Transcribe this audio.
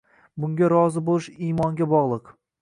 Bunga rozi bo‘lish imonga bog‘liq.